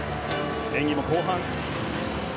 演技も後半。